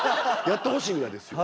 やってほしいぐらいですよ。